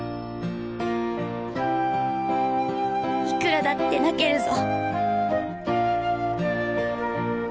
いくらだって泣けるぞ。